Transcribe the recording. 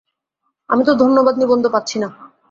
আমিতো ধনবাদ নিবন্ধ পাচ্ছি না।